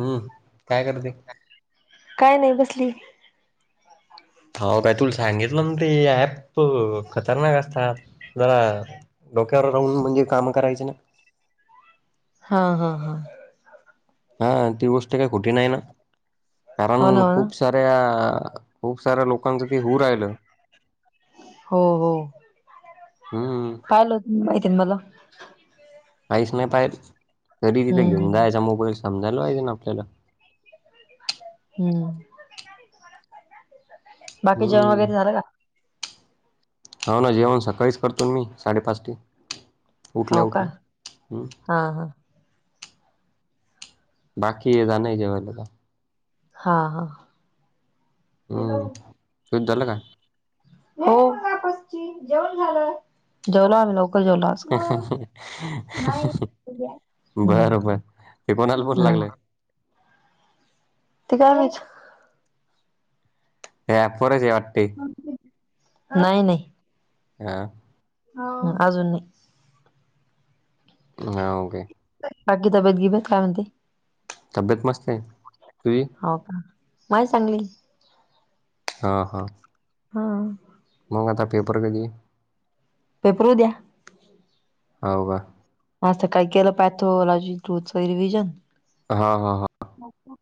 हम्म काय करते? काय नाय बसली. हाव काय तुला सांगितलं नं ते ऍप खतरनाक असतात जरा डोक्यावर राहून म्हणजे कामं करायची नाय. हा हा हा हा ती गोष्ट काय खोटी नाय नं कारण हो ना हो ना खूप साऱ्या खूप साऱ्या लोकांचं ते होऊ राहिलं हो हो हम्म आलत नाय किन बघा काहीच नाय पाय तरी तिथे हम्म घेऊन हम्म जायचा मोबाईल समजायला पाहियजे ना आपल्याला हम्म बाकी जेवण हम्म वगैरे झालं का? हाव ना जेवण सकाळीच करतो नं मी साडेपाच ते उठल्या हाव का, उठल्या हम्म हा हा बाकी जाणाय जेवायला आता हा हा हॅलो हम्म, तुमचं झालं काय? हो पस ची जेवणं झालं जेवला लवकर जेवलास हो नाही [inaudible] हं बरं बर ते कोणाला बोलू हं लागलं ते काय पाहिजे हया ऍप वरच ये ऍप नाय नाही. हा हा अजून नाही. हांव काय बाकी तब्बेत गीबेत काय म्हणते तब्बेत मस्त आहे. तुझी हाव का माय चांगली हा हा हां मंग आता पेपर कधी पेपर उदया. हाव का. आज त काय केलं पॅथलॉजी रोजच रिविजन हा हा हा आता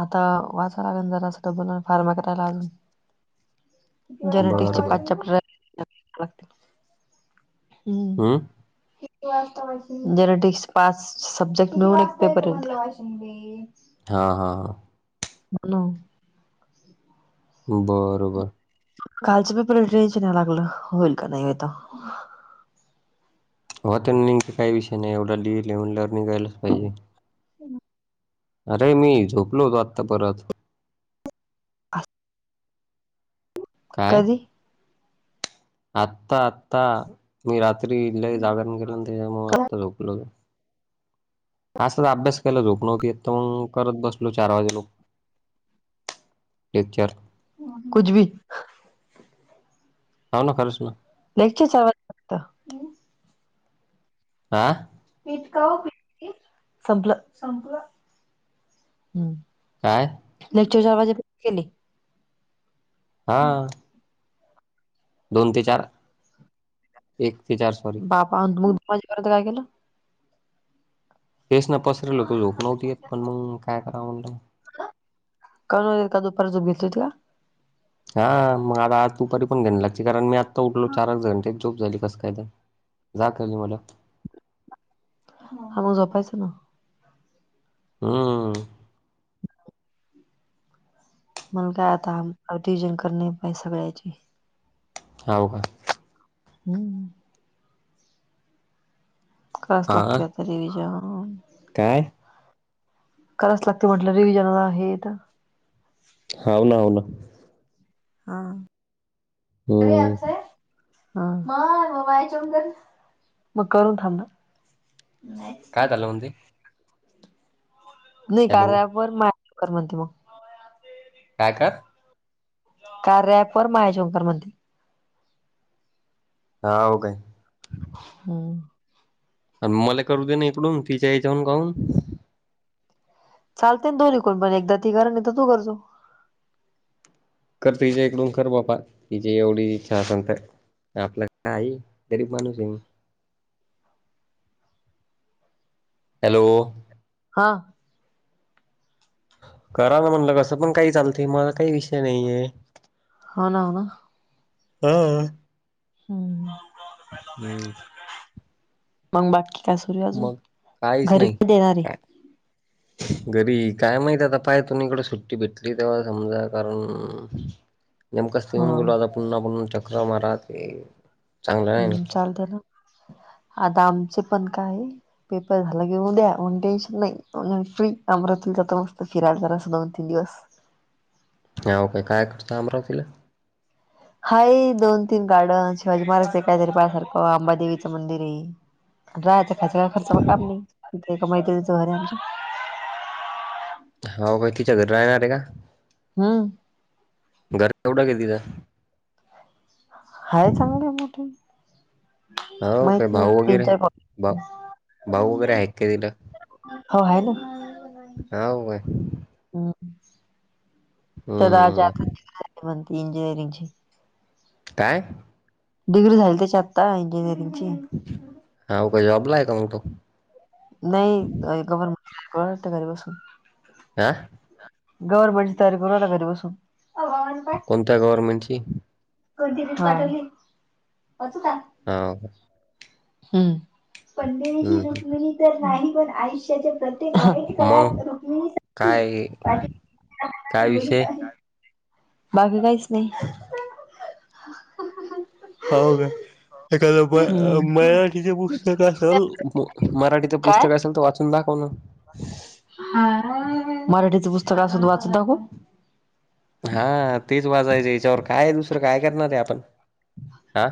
आता वाचाय लागल जरासं डबल अनं फार्मा करायला अजून जेनेटिक्सचे बरोबर पाच चॅप्टर येत लाग लागतील. हम्म हूं जेनेटिक्स पाच सब्जेक्ट मिळून एक पेपर ये. हेच हां हां हां [unintelligible] बरोबर कालच्या पेपरला मी [unintelligible] ना लागलं होईल का नाय आता हो ते निगंते काय विषय नाय एवढ लिहिला म्हणल्यावर निघायलाच पाहिजे. [unintelligible] अरे मी झोपलो होतो आत्ता परत काय? कधी आत्ता आत्ता मी रात्री लय जागर केलं त्याच्यामुळ आत्ता झोपलो मी अस तर अभ्यास केला झोप नव्हती तर मग करत बसलो चार वाजे लोक टचर कुछ भी. हऊ ना खरस ना. लक्चच. आ मीटका संपलं संपलं हम्. काय? लेक्चर चार वाजे केले. हा. दोन ते चार एक ते चार सॉरी. पाह मगु कर काय केलं? तेच ना पसरल तो झोक नवती येत पण मग काय कराव म्हणलं. कनल का दुपार जोप घेतोय तला. हा मग आता आज दुपारी पण घ्याणला ची कारण मी आत्ता उठलो चार आट घंटे झोप झाली कस काय त जागं आली मला हां मग जपायच ना. हम्म. मण काय आता अवती जिन करणे बाय सगळ्यांची. हो का? हम्म. कळस हा लागते तरी विज काय? करायच लागते म्हटलं रिव्हजन आहेत. हो ना हो ना. हा अे हम्म साहेब. मग करून थांब. काय झालं ओ दि नाही हॅलो कार्यावरर माझ म्हणते मग. काय का? का रॅपर मायाशंकर म हा हो काय? हम्म. आणि मला करू दे ना इकडून तिच्या याच्याहून काऊून चालते ना दोननी कोण एकदा ती करा नाही तर तू करचो. कर तिच्या इकडून कर बापा तिची एवढी इच्छा असल तर. आपला का आहे गरीब माणूस आहे. हॅलो! हा. करा ना म्हणलं कसं पण काही चालत मला काही विषय नाहीये. होन ना. हा. हम्म. हम्म. मग बाकी काय सुरू अजून मग काहीच घरी नाही. देणारे. काय घरी काय माहित आता पाय तु् इकडं सुट्टी भेटली तेव्हा समजा कारण [inaudible] नेमकाच तेऊन हा गेलो आता पुन्हा पु चक्र मारा ते चांगलं नाही हम्म ना चालते ना आता आमचे पण काय पेपर झाला कीऊन द्या म्ह टेन्शन नाही फ्री अमरात जात मस्त फिरायल करा अस दोन तीन दिवस. ह ओ काे काय करतं अमरावतीला. हाय दोन तीन गार्डन शिवाजी महाराजचे काहीतरी पायसारखं अंबादेवीचं मंदिर आहे. राहाचा खा खर्च काम नाही तिथं एका मैत्रीनीच घर आहे आमच्या हो का तिच्या घरी राहणार आहे का? हम्म घर एवढा ग तिचां हाय चांगले मोठे हो काय माहित नाही भाऊ तीन वगैरे चार भा भाऊ वगैरे आहे काय तिला हो आहे ना. हाउ व्हाय. हम्म तदा जात हम्म म्ह इंजिनीयरिंगची. काय डिग्री झाली त्याची आत्ता इंजिनिअरिंगची. हा काय जॉबलाय का मग तो नाही गर्मंट त्या घरी बसून. आह गवर्मेटची तयारी करूय ना घरी बसून. [unintelligible] कोणत्या गर्व्हमेंटची? कोणती रील पटवली वाचू का? हो पंडिरीची हम्म रुक्मिणी तर नाही पण आयुष्याच्या प्रत्येक वाईट काळात मग रुक्मिणीसाठी काय पाठीणारे काय बैल विषय आहे. बाकी काहीच नाही. हो का? एखादं हम्म मराठीचे पुस्तक असेल मराठीच पुस्तक असेल तर वाच कंद कोण? ह मराठीचे पुस्तक असत वाचत दाखव. हा तेच वाजयचे याच्यावर काय दुसरं काय करणार आहे आपण हा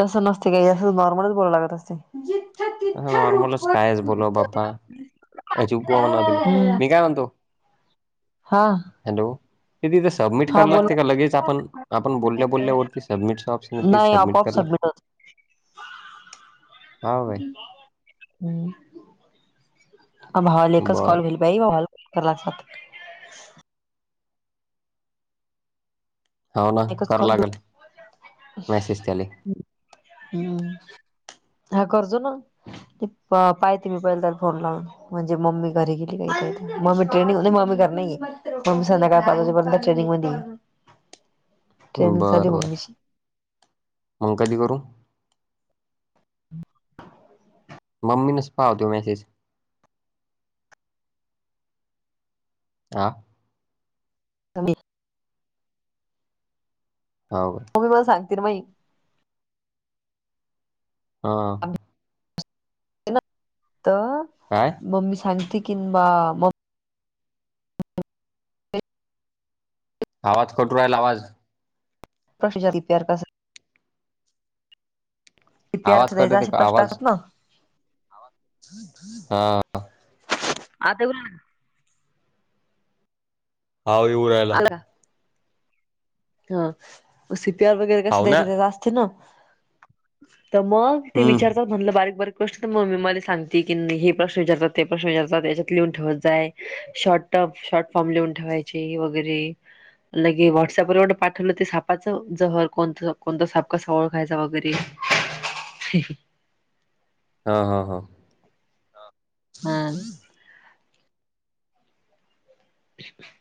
तसं नसते काही असं नॉर्मलच बोलं लागत असते. जिथे ती नॉर्मलच कायस बोल बाप्पा अ च उप म्हणतील हम्म मी काय म्हणतो. हा हॅलो इ सबमिट हा करा बोल लागते का लगेच आपण आपण बोलल्या बोलल्यावरती सबमिट चा ऑप्शन येते नाही सबमिट करा [unintelligible] हा भाई हम् अ भावाल एकच कॉल बरं वईल बाई बालॉल कलाात. हो ना एकच करा कॉल लागेल मेसेज त्याले हम्. हा करजो ना पाहती मी पहिल तर फोन लावून. म्हणजे मम्मी घरी गेली काही का मम्मी ट्रेनंग म्हणजे मम्मी कर नाहीये मम्मी संध्याकाळ पाजच्या पर् [unintelligible] बर बर मम्मीची मग कधी करू. हम मम्मीच पहावा तो मॅसेज हा मम्मी हो तुही मला सांगतील माहि हा तर काय मम्मी सांगते किंवा आवाज कठो, राहीला आवाज. [unintelligible] आवाज कट होते का आवाज [unintelligible] हा. [unintelligible] हा येऊ राहिला. [unintelligible] वगैरे कसं हाव ना द्यायच त्यात असते नव त्यामुळं, ते हम्म विचार. म्हटलं बारीक बारीक गोष्ट तर मम्मी मला सांग की, हे प्रश्न विचारतात ते, प्रश्न विचारतात त्याच्यात लिहून ठेवत जाय. शॉट टाॅप शॉर्ट फॉर्म लिहून ठेवायचे, वगैरे लगे व्हॉट्सअप वगैरे. पाठवलं ते सापाचं, जहर कोण कोणता साप कसा ओळखायचा वगैरे. [unintelligible] हा हा हा. हां. [inaudible]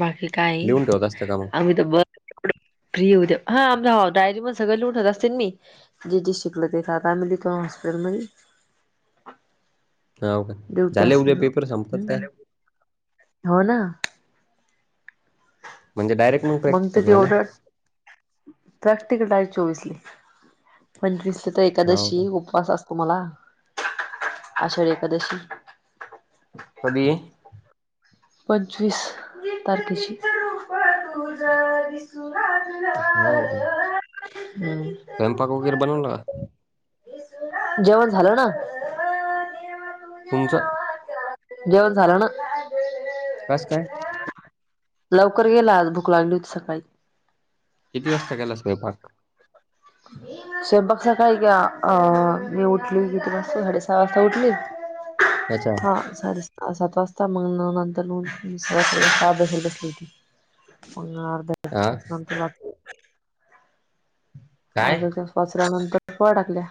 बाकी काही, लिहून ठेवत असतं का मग आम्ही तर ब फ्री हो दे, हा... आम डायरी मध्ये सगळं लिहून ठेवत असते मी. जे जे शिकलो ते, [unintelligible] हॉस्पिटल मध्ये. हाव का ड्युटी झाले उद्या असली, पेपर संपतात काय हम.. हो ना. म्हणजे डायरेक्ट. मग प्रॅक्टिकल ची का नाही ऑडर, प्रॅक्टिकट आहे चोवीसली. पंचवीसला तर हाव काय एकादशी उपवास असतो, मला आषाढी एकादशी. कधी. पंचवीस तारके ची. जिथं तिथं रुप, तुझं दिसू लागलं. हो का. हम्म. स्वयंपाक वगैरे बनवला. जेवण झालं ना, देवा तुझ्या तुमचं नावाचं. जेवण झालं ना. कसं काय. लवकर गेला आज, भूक लागली होती सकाळी. किती वाजता केला स्वयंपाक. स्वयंपाक सकाळी का अ.. मी उठली किती वाजता साडे सहा वाजता उठली. [unintelligible] अच्छा. हा, सात वाजता मग, नंतर अभ्यासाला बसली होती. मग अर्धा हा तास नंतर, वाच काय अर्धा तास वाचल्यानंतर [unintelligible] टाकल्या.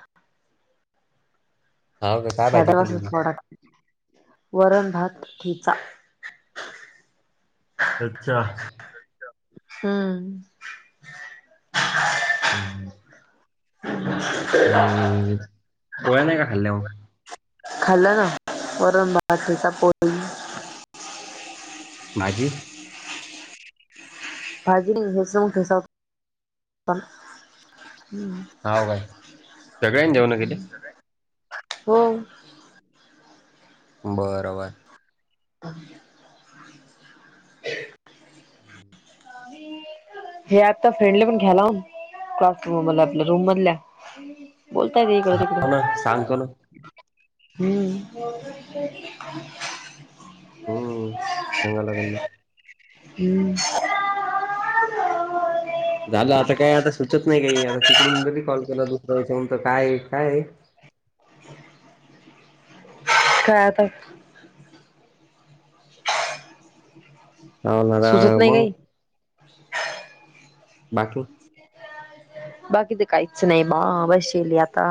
हाव का काय भाजी साड्या केली होती [unintelligible] वरण भात ठेचा. अच्छा. हम्. हम्म. हम्म. [inaudible] आणि पोळ्या नाही कां, खाल्ल्या मग. खाल्याना, वरण, भात, ठेचा पोळी. भाजी. भाजी हे [unintelligible] हम. हाव काय सगळ्यांनी जेवण केले हो.. बर‌ बर. [unintelligible] हे आता फ्रेंडली पण घ्यायला क्लासरूम मध आपल्या रूम मधल्या हो बोलतायेत ना सांगतो ना इकडं तिकडं हम्म हम्म चगा लागन म हम्म झालं आता काय आता सुचत नाही काही आता तिकडून जरी कॉल केला दुसऱ्या विषयत काय काय काय आता [inaudible] हल सुचत नाही काही बाकी बाकी तर काहीच नाही बा बसली आता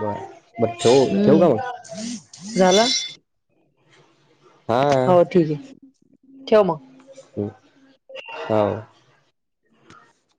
बर बर ठेवू ठेवू का मग हम्म झालं हो ठीक आहे ठेव मग ह हो,